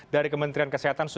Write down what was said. dari kementerian kesehatan bu